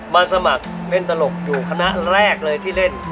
มาสมัครเป็นตลกอยู่คณะแรกเลยที่เล่น